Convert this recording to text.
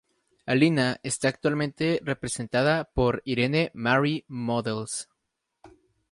Alina está actualmente representada por Irene Marie Models.